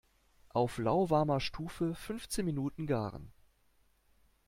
Auf lauwarmer Stufe fünfzehn Minuten garen.